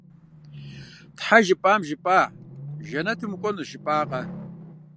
Тхьэ, жыпӀам, жыпӀа! Жэнэтым укӀуэнущ жыпӀакъэ?